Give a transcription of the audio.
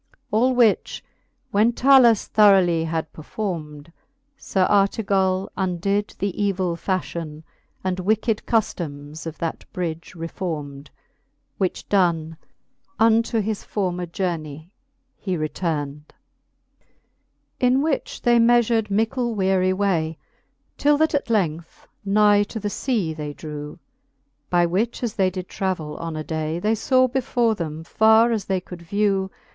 All which when Talus throughly had perfourmed, Sir Artegall undid the evill fafhion, And wicked cuflomes of that bridge refourmed. Which done, unto his former journey he retourned. XXIX. In which they meafur'd mickle weary way, Till that at length nigh to the fea they drew ; By which as they did travell on a day. They favv before them, far as they could vew.